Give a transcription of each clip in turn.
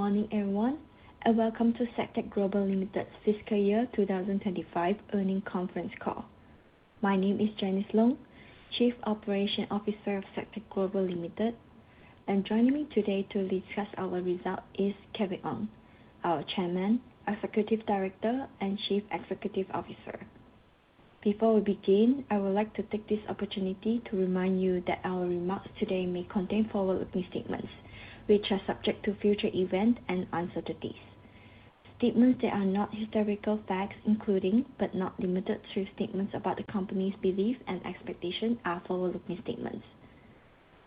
Good morning, everyone, welcome to Sagtec Global Limited Fiscal Year 2025 earnings conference call. My name is Xin Loong, Chief Operation Officer of Sagtec Global Limited, and joining me today to discuss our results is Kevin Ng, our Chairman, Executive Director, and Chief Executive Officer. Before we begin, I would like to take this opportunity to remind you that our remarks today may contain forward-looking statements, which are subject to future events and uncertainties. Statements that are not historical facts, including but not limited to statements about the company's beliefs and expectations are forward-looking statements.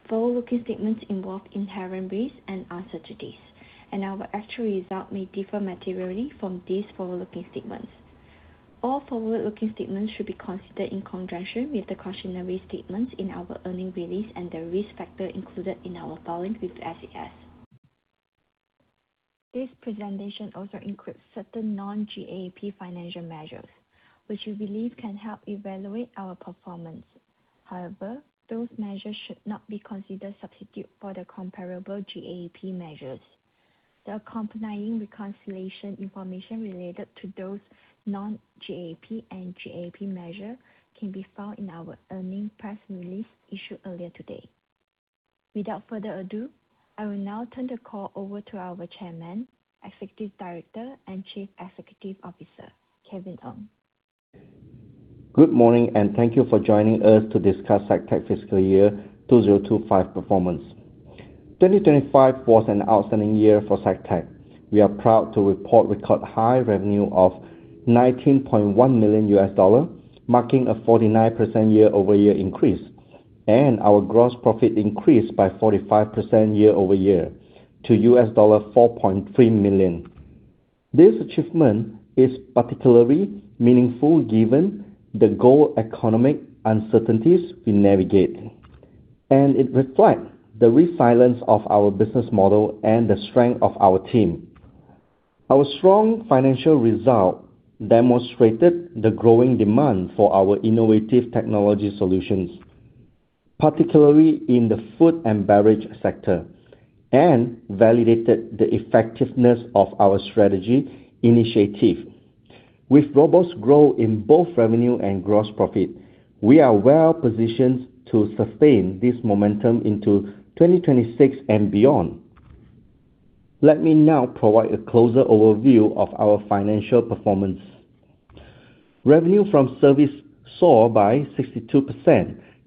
Forward-looking statements involve inherent risks and uncertainties, and our actual results may differ materially from these forward-looking statements. All forward-looking statements should be considered in conjunction with the cautionary statements in our earnings release and the risk factors included in our filing with the SEC. This presentation also includes certain non-GAAP financial measures, which we believe can help evaluate our performance. However, those measures should not be considered substitute for the comparable GAAP measures. The accompanying reconciliation information related to those non-GAAP and GAAP measure can be found in our earning press release issued earlier today. Without further ado, I will now turn the call over to our Chairman, Executive Director, and Chief Executive Officer, Kevin Ng. Good morning, thank you for joining us to discuss Sagtec fiscal year 2025 performance. 2025 was an outstanding year for Sagtec. We are proud to report record high revenue of $19.1 million, marking a 49% year-over-year increase, and our gross profit increased by 45% year-over-year to $4.3 million. This achievement is particularly meaningful given the global economic uncertainties we navigate, and it reflect the resilience of our business model and the strength of our team. Our strong financial result demonstrated the growing demand for our innovative technology solutions, particularly in the food and beverage sector, and validated the effectiveness of our strategy initiative. With robust growth in both revenue and gross profit, we are well positioned to sustain this momentum into 2026 and beyond. Let me now provide a closer overview of our financial performance. Revenue from service soar by 62%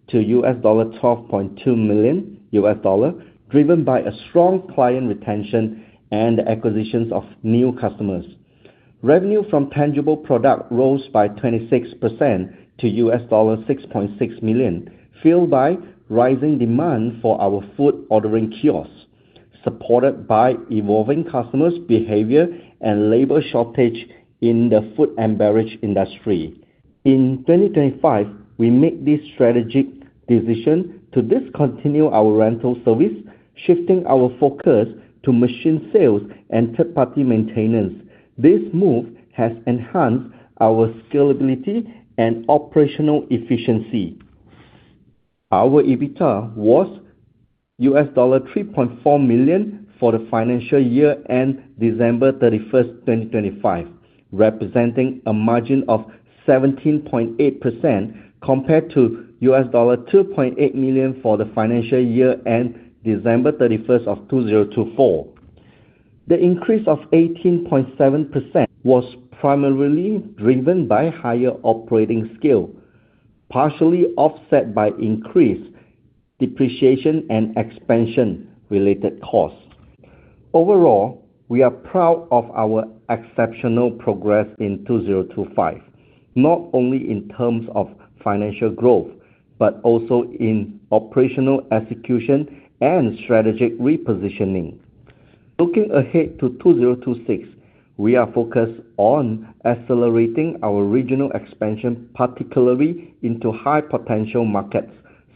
to $12.2 million, driven by a strong client retention and the acquisitions of new customers. Revenue from tangible product rose by 26% to $6.6 million, fueled by rising demand for our food ordering kiosks, supported by evolving customers' behavior and labor shortage in the food and beverage industry. In 2025, we made the strategic decision to discontinue our rental service, shifting our focus to machine sales and third-party maintenance. This move has enhanced our scalability and operational efficiency. Our EBITDA was $3.4 million for the financial year-end December 31st, 2025, representing a margin of 17.8% compared to $2.8 million for the financial year-end December 31st of 2024. The increase of 18.7% was primarily driven by higher operating scale, partially offset by increased depreciation and expansion-related costs. Overall, we are proud of our exceptional progress in 2025, not only in terms of financial growth, but also in operational execution and strategic repositioning. Looking ahead to 2026, we are focused on accelerating our regional expansion, particularly into high potential markets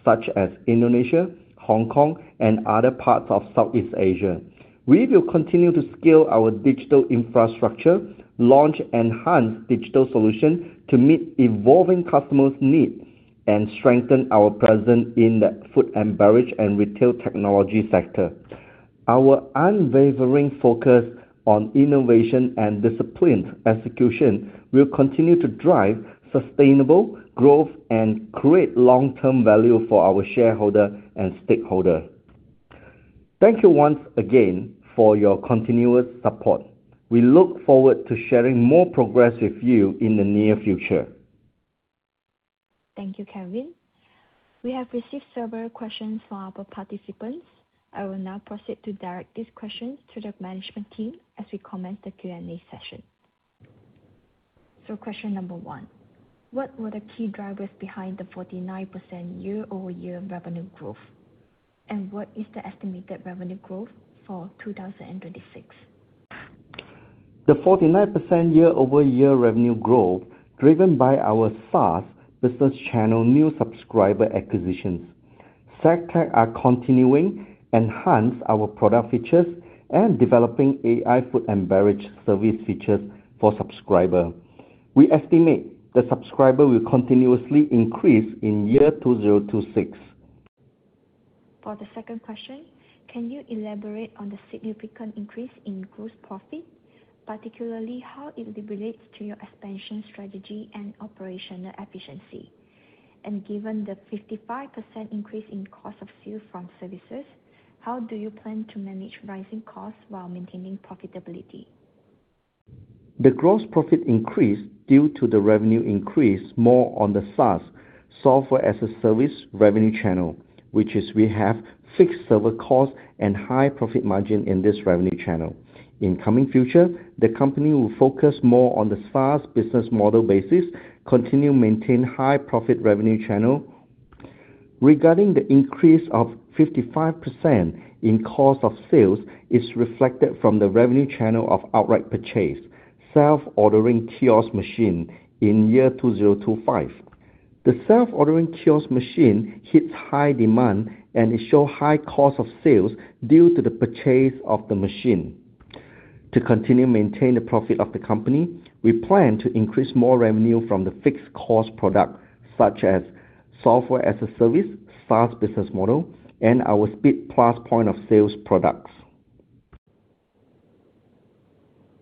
such as Indonesia, Hong Kong, and other parts of Southeast Asia. We will continue to scale our digital infrastructure, launch enhanced digital solution to meet evolving customers' need, and strengthen our presence in the food and beverage and retail technology sector. Our unwavering focus on innovation and disciplined execution will continue to drive sustainable growth and create long-term value for our shareholder and stakeholder. Thank you once again for your continuous support. We look forward to sharing more progress with you in the near future. Thank you, Kevin. We have received several questions from our participants. I will now proceed to direct these questions to the management team as we commence the Q&A session. Question number one. What were the key drivers behind the 49% year-over-year revenue growth, and what is the estimated revenue growth for 2026? The 49% year-over-year revenue growth driven by our fast business channel new subscriber acquisitions. Sagtec are continuing enhance our product features and developing AI food and beverage service features for subscriber. We estimate the subscriber will continuously increase in year 2026 For the second question, can you elaborate on the significant increase in gross profit, particularly how it relates to your expansion strategy and operational efficiency? Given the 55% increase in cost of sales from services, how do you plan to manage rising costs while maintaining profitability? The gross profit increased due to the revenue increase more on the SaaS, Software as a Service revenue channel, which is we have fixed server costs and high profit margin in this revenue channel. In coming future, the company will focus more on the SaaS business model basis, continue maintain high profit revenue channel. Regarding the increase of 55% in cost of sales is reflected from the revenue channel of outright purchase, self-ordering kiosk machine in year 2025. The self-ordering kiosk machine hits high demand, and it show high cost of sales due to the purchase of the machine. To continue maintain the profit of the company, we plan to increase more revenue from the fixed cost product, such as Software as a Service, SaaS business model, and our Speed+ point of sales products.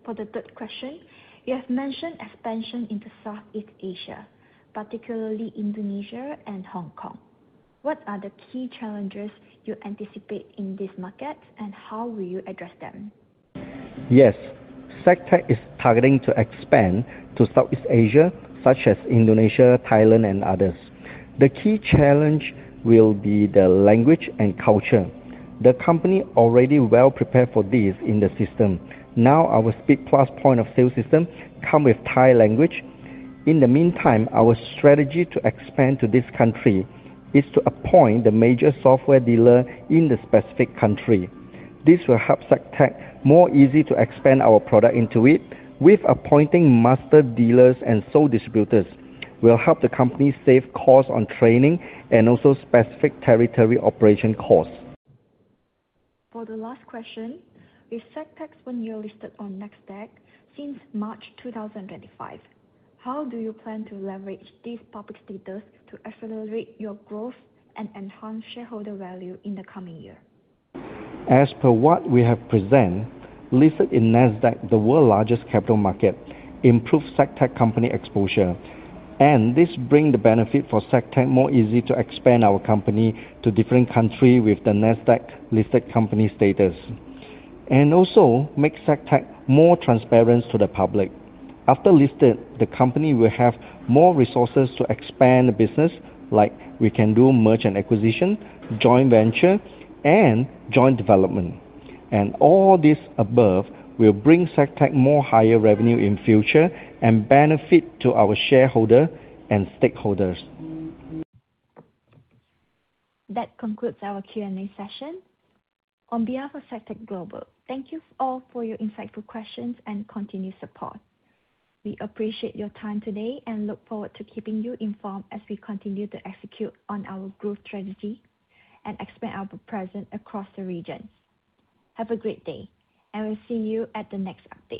For the third question, you have mentioned expansion into Southeast Asia, particularly Indonesia and Hong Kong. What are the key challenges you anticipate in this market, and how will you address them? Yes. Sagtec is targeting to expand to Southeast Asia, such as Indonesia, Thailand, and others. The key challenge will be the language and culture. The company already well prepared for this in the system. Now our Speed+ point-of-sale system come with Thai language. In the meantime, our strategy to expand to this country is to appoint the major software dealer in the specific country. This will help Sagtec more easy to expand our product into it. With appointing master dealers and sole distributors will help the company save cost on training and also specific territory operation costs. For the last question, with Sagtec's when you're listed on Nasdaq since March 2025, how do you plan to leverage this public status to accelerate your growth and enhance shareholder value in the coming year? As per what we have present, listed in Nasdaq, the world largest capital market, improve Sagtec company exposure. This bring the benefit for Sagtec more easy to expand our company to different country with the Nasdaq-listed company status and also make Sagtec more transparent to the public. After listed, the company will have more resources to expand the business. Like we can do merchant acquisition, joint venture, and joint development. All this above will bring Sagtec more higher revenue in future and benefit to our shareholder and stakeholders. That concludes our Q&A session. On behalf of Sagtec Global, thank you all for your insightful questions and continued support. We appreciate your time today and look forward to keeping you informed as we continue to execute on our growth strategy and expand our presence across the region. Have a great day, and we'll see you at the next update.